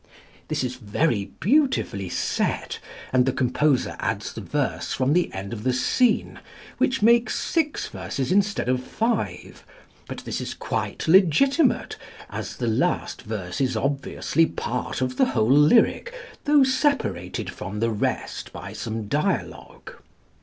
This is very beautifully set, and the composer adds the verse from the end of the scene, which makes six verses instead of five; but this is quite legitimate, as the last verse is obviously part of the whole lyric, though separated from the rest by some dialogue.